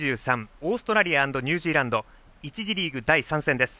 オーストラリア＆ニュージーランド１次リーグ第３戦です。